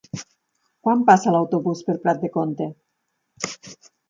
Quan passa l'autobús per Prat de Comte?